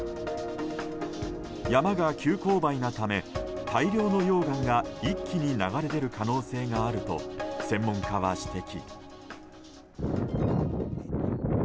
山が急勾配なため、大量の溶岩が一気に流れ出る可能性があると専門家は指摘。